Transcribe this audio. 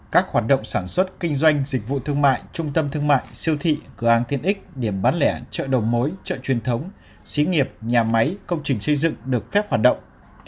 các hoạt động sản xuất kinh doanh dịch vụ thương mại trung tâm thương mại siêu thị cửa hàng tiện ích điểm bán lẻ chợ đầu mối chợ truyền thống xí nghiệp nhà máy công trình xây dựng được phép hoạt động